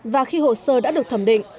và khi hồ sơ đã được thẩm định